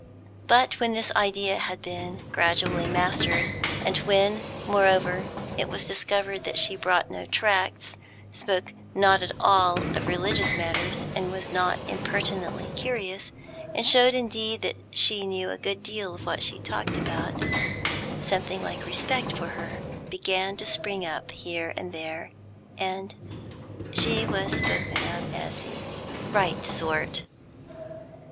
But when this idea had been gradually mastered, and when, moreover, it was discovered that she brought no tracts, spoke not at all of religious matters, was not impertinently curious, and showed indeed that she knew a good deal of what she talked about, something like respect for her began to spring up here and there, and she was spoken of as "the right sort."